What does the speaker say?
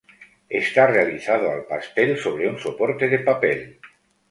Está realizado al pastel sobre un soporte de papel.